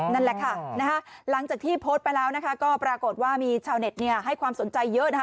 นั่นแหละค่ะหลังจากที่โพสต์ไปแล้วนะคะก็ปรากฏว่ามีชาวเน็ตให้ความสนใจเยอะนะคะ